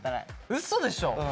ウソでしょ？